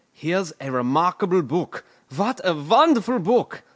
"Here's a remarkable book! What a wonderful book!"